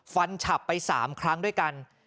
ฉับไป๓ครั้งด้วยกัน